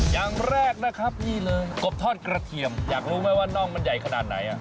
อย่างแรกนะครับนี่เลยกบทอดกระเทียมอยากรู้ไหมว่าน่องมันใหญ่ขนาดไหน